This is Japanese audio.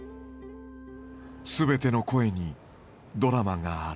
すべての声にドラマがある。